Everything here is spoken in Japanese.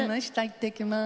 いってきます。